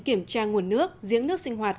kiểm tra nguồn nước diễn nước sinh hoạt